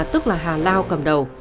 tức là hà lao cầm đầu